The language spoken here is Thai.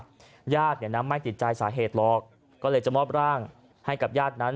ญาติเนี่ยนะไม่ติดใจสาเหตุหรอกก็เลยจะมอบร่างให้กับญาตินั้น